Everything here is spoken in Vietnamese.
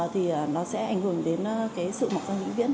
thì nó sẽ ảnh hưởng đến sự mọc răng vĩnh viễn